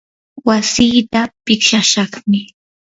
wasiita pitsashaqmi.